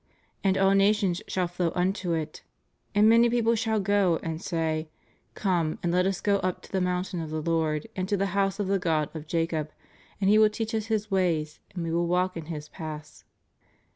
"And all nations shall flow unto it. And many peoples shall go, and say: Come, and let us go up to the mountain of the Lord, and to the house of the God of Jacob, and He will teach us His ways, and we will walk in His paths.